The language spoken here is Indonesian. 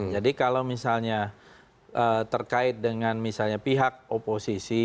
jadi kalau misalnya terkait dengan misalnya pihak oposisi